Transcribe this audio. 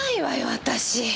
私。